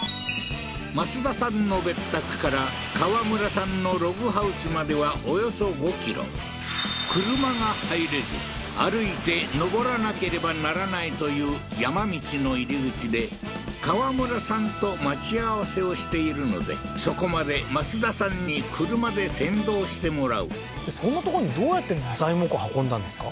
升田さんの別宅からカワムラさんのログハウスまではおよそ５ｋｍ車が入れず歩いて上らなければならないという山道の入り口でカワムラさんと待ち合わせをしているのでそこまで升田さんに車で先導してもらうそんなとこにどうやって材木運んだんですか？